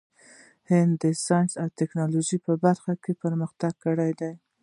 هند د ساینس او ټیکنالوژۍ په برخه کې مخکې دی.